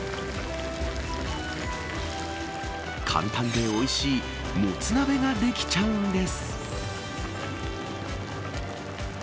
簡単でおいしいもつ鍋ができちゃうんです。